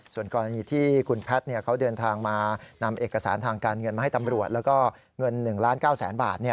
ส่วนกรณีที่คุณแพทย์เขาเดินทางมานำเอกสารทางการเงินมาให้ตำรวจแล้วก็เงิน๑ล้าน๙แสนบาท